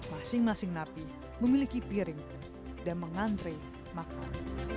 masing masing napi memiliki piring dan mengantre makan